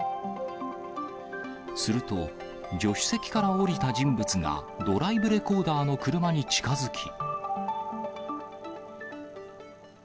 すると、助手席から降りた人物が、ドライブレコーダーの車に近づき。